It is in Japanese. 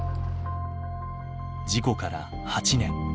事故から８年。